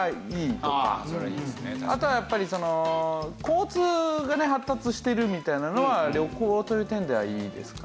あとはやっぱり交通が発達してるみたいなのは旅行という点ではいいですかね。